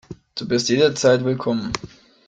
Du bist jederzeit willkommen.